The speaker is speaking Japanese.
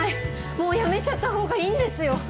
もう辞めちゃった方がいいんですよ！